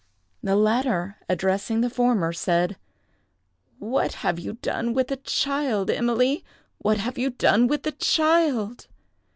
The latter addressing the former said, "What have you done with the child, Emily? What have you done with the child?"